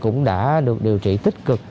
cũng đã được điều trị tích cực